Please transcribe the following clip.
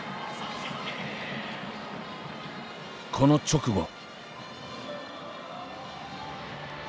この直後。